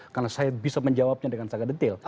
karena saya bisa menjawabnya dengan sangat detail